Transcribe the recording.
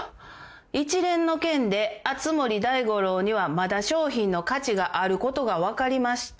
「一連の件で熱護大五郎にはまだ商品の価値があることが分かりました」